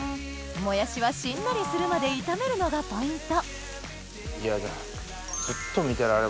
もやしはしんなりするまで炒めるのがポイントいやいや。